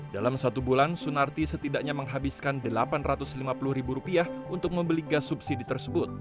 dalam satu bulan sunarti setidaknya menghabiskan rp delapan ratus lima puluh ribu rupiah untuk membeli gas subsidi tersebut